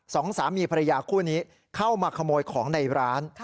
สองสามีภรรยาคู่นี้เข้ามาขโมยของในร้าน